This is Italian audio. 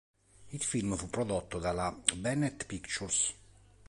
Il film fu prodotto dalla Bennett Pictures.